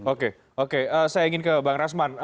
oke oke saya ingin ke bang rasman